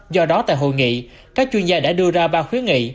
do đó tại hội nghị các chuyên gia đã đưa ra ba khuyến nghị